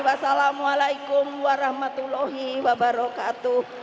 wassalamualaikum warahmatullahi wabarakatuh